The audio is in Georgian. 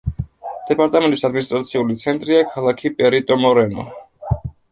დეპარტამენტის ადმინისტრაციული ცენტრია ქალაქი პერიტო-მორენო.